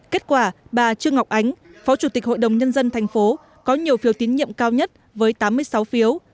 kết quả bà trương ngọc ánh phó chủ tịch hội đồng nhân dân thành phố có nhiều phiếu tín nhiệm cao nhất với tám mươi sáu phiếu